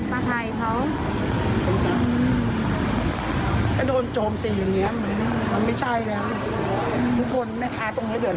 ทุกคนแม่ค้าตรงนี้เดิดขรอน้ำค่ะ